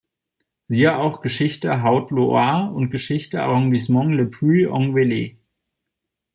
Siehe auch Geschichte Haute-Loire und Geschichte Arrondissement Le Puy-en-Velay.